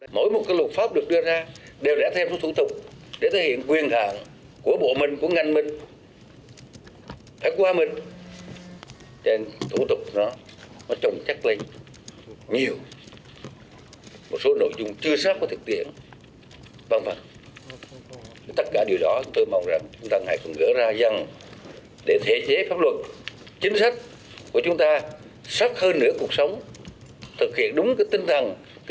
để thể chế pháp luật chính sách của chúng ta sắp hơn nửa cuộc sống thực hiện đúng tinh thần kinh tế thị trường để hướng cho dung nghĩa việt nam